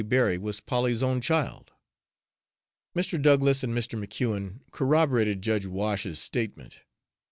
Berry was Polly's own child." Mr. Douglas and Mr. MacKeon corroborated Judge Wash's statement.